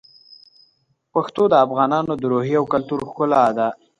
پښتو د افغانانو د روحیې او کلتور ښکلا ده.